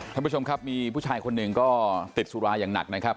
ท่านผู้ชมครับมีผู้ชายคนหนึ่งก็ติดสุราอย่างหนักนะครับ